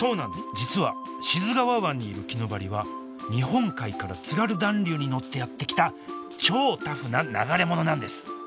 実は志津川湾にいるキヌバリは日本海から津軽暖流に乗ってやって来た超タフな流れ者なんです